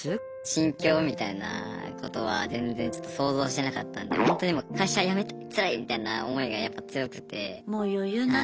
心境みたいなことは全然ちょっと想像してなかったんでホントにもう会社辞めたいつらいみたいな思いがやっぱ強くて。